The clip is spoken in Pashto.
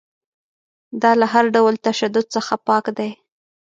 دا له هر ډول تشدد څخه پاک دی.